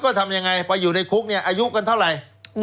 ก็ทำยังไงไปอยู่ในคุกเนี่ยอายุกันเท่าไหร่